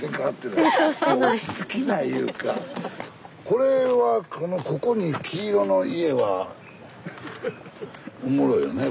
これはここに黄色の家はおもろいよね